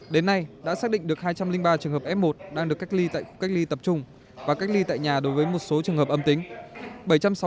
đến nay đã xác định được hai trăm linh ba trường hợp f một đang được cách ly tại khu cách ly tập trung và cách ly tại nhà đối với một số trường hợp âm tính